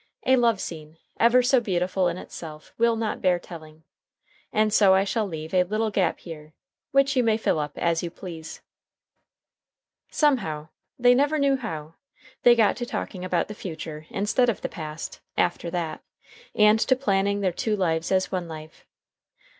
A love scene, ever so beautiful in itself, will not bear telling. And so I shall leave a little gap just here, which you may fill up as you please. ... Somehow, they never knew how, they got to talking about the future instead of the past, after that, and to planning their two lives as one life.